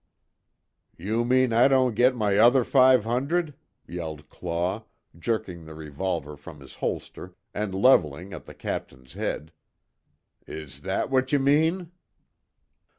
"You mean I don't git my other five hundred?" yelled Claw jerking the revolver from his holster and levelling at the Captain's head, "Is that what ye mean?"